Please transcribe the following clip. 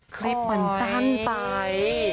คลิปมันสั้นไป